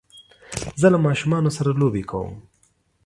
زه له ماشومانو سره لوبی کوم